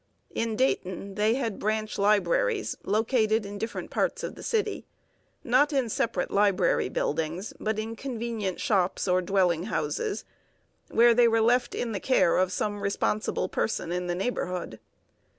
In Dayton they had branch libraries located in different parts of the city, not in separate library buildings, but in convenient shops or dwelling houses, where they were left in the care of some responsible person in the neighborhood.